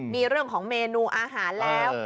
มีเรื่องของเมนูอาหารแล้ว